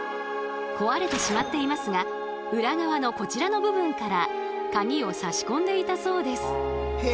壊れてしまっていますが裏側のこちらの部分からカギを差し込んでいたそうです。